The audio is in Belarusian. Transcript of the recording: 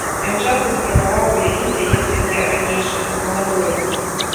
Ён часта спрабаваў уявіць яе сабе ранейшаю, маладою.